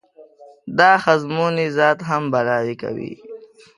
دا ښځمونی ذات هم بلا کوي.